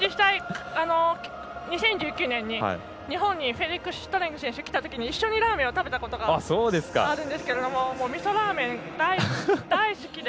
２０１９年に、日本にフェリクス・シュトレング選手来たときに、一緒にラーメンを食べたことがあるんですがみそラーメン、大好きで。